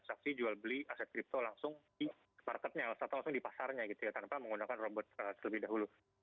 transaksi jual beli aset kripto langsung di marketnya atau langsung di pasarnya gitu ya tanpa menggunakan robot terlebih dahulu